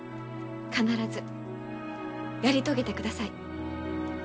必ずやり遂げてください。